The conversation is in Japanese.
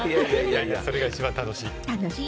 それが一番楽しい。